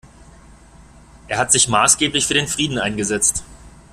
Er hat sich maßgeblich für den Frieden eingesetzt.